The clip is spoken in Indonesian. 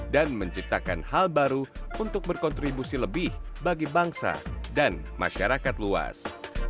dan menciptakan hal baru untuk berkontribusi lebih bagi bangsa dan masyarakat luas